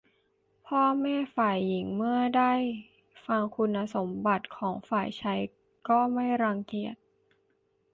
พ่อแม่ฝ่ายหญิงเมื่อได้ฟังคุณสมบัติของฝ่ายชายก็ไม่รังเกียจ